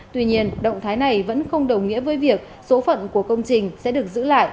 tuy nhiên động thái này vẫn không đồng nghĩa với việc số phận của công trình sẽ được giữ lại